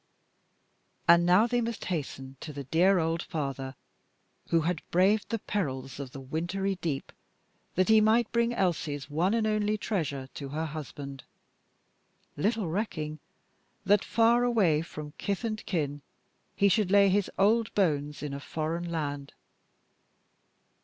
And now they must hasten to the dear old father who had braved the perils of the wintry deep that he might bring Elsie's one and only treasure to her husband, little recking that, far away from kith and kin, he should lay his old bones in a foreign land.